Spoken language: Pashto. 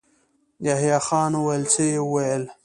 يحيی خان وويل: څه يې ويل؟